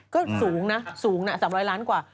ก็สูงนะสูงนะ๓๐๐ล้านกว่า